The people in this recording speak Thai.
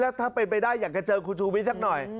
ถ้าเป็นไปได้อยากจะเจอคุณชูวิทย์สักหน่อย